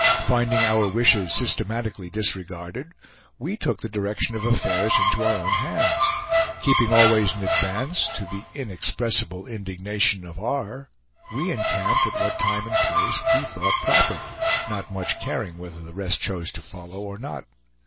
Finding our wishes systematically disregarded, we took the direction of affairs into our own hands. Keeping always in advance, to the inexpressible indignation of R., we encamped at what time and place we thought proper, not much caring whether the rest chose to follow or not.